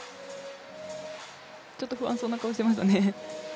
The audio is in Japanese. ちょっと不安そうな顔をしていましたね。